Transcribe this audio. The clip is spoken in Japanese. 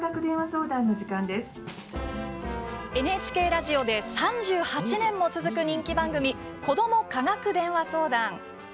ＮＨＫラジオで３８年も続く人気番組「子ども科学電話相談」。